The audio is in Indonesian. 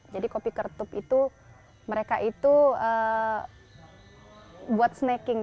jadi kopi kertup itu mereka itu buat snacking